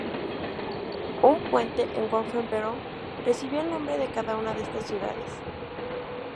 Un puente en Wolfenbüttel recibe el nombre de cada una de estas ciudades.